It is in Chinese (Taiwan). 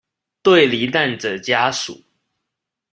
對罹難者家屬